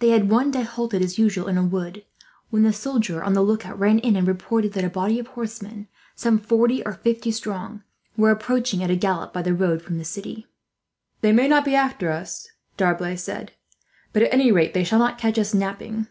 They had one day halted as usual in a wood, when the soldier on the lookout ran in and reported that a body of horsemen, some forty or fifty strong, were approaching at a gallop by the road from the city. "They may not be after us," D'Arblay said, "but at any rate, they shall not catch us napping."